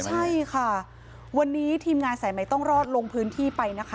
ใช่ค่ะวันนี้ทีมงานสายใหม่ต้องรอดลงพื้นที่ไปนะคะ